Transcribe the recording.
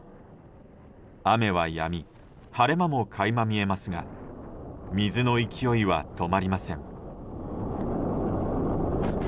雨はやみ晴れ間も垣間見えますが水の勢いは止まりません。